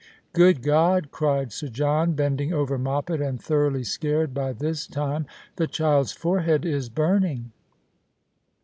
" Good God !" cried Sir John, bending over Moppet, and thoroughly scared by this time, " the child's forehead is burning."